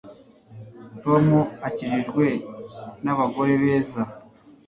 Tom akikijwe nabagore beza